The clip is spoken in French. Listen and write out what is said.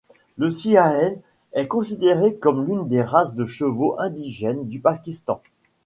Le Siaen est considéré comme l'une des races de chevaux indigènes du Pakistan.